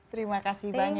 terima kasih banyak ya